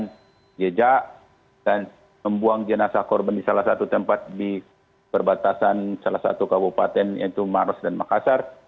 menyembunyikan jejak dan membuang jenazah korban di salah satu tempat di perbatasan salah satu kabupaten yaitu mars dan makassar